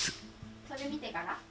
それ見てから？